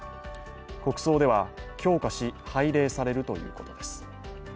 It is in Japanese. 国葬では、供花し拝礼されるということです。